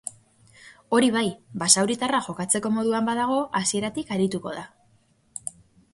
Hori bai, basauritarra jokatzeko moduan badago hasieratik arituko da.